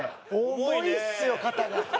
重いっすよ肩が。